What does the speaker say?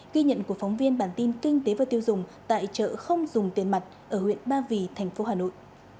ghi nhận của phóng viên bản tin kinh tế và tiêu dùng tại chợ không dùng tiền mặt ở huyện ba vì thành phố hà nội